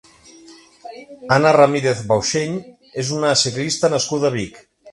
Anna Ramírez Bauxell és una ciclista nascuda a Vic.